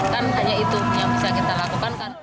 kan hanya itu yang bisa kita lakukan kan